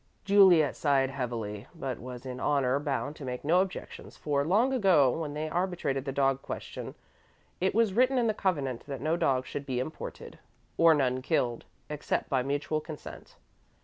Juliet sighed heavily but was in honour bound to make no objections, for long ago, when they arbitrated the dog question, it was written in the covenant that no dogs should be imported or none killed, except by mutual consent.